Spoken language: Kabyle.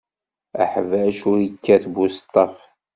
Aḥbac ur t-ikkat buseṭṭaf.